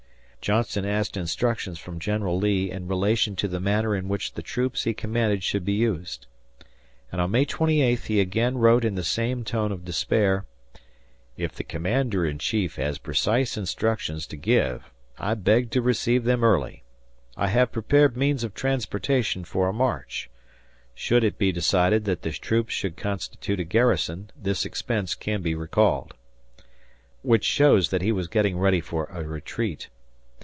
Johnston asked instructions from General Lee in relation to the manner in which the troops he commanded should be used. And on May 28 he again wrote in the same tone of despair: "If the Commander in Chief has precise instructions to give I beg to receive them early. I have prepared means of transportation for a march. Should it be decided that the troops should constitute a garrison this expense can be recalled," which shows he was getting ready for a retreat.